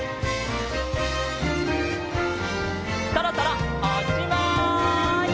そろそろおっしまい！